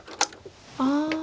ああ。